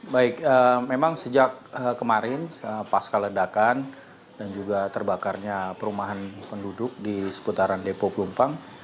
baik memang sejak kemarin pas keledakan dan juga terbakarnya perumahan penduduk di seputaran depo pelumpang